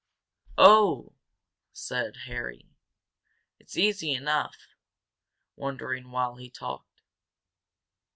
"Oh!" said Dick, "it's easy enough," working while he talked.